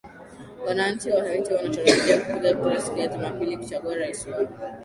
wananchi wa haiti wanatarajia kupiga kura siku ya jumapili kuchagua rais wao